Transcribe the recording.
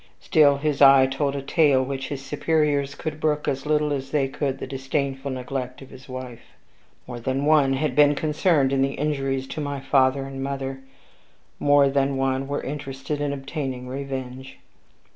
Still his eye told a tale which his superiors could brook as little as they could the disdainful neglect of his wife. More than one had been concerned in the injuries to my father and mother; more than one were interested in obtaining revenge.